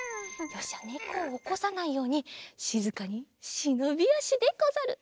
よしじゃねこをおこさないようにしずかにしのびあしでござる。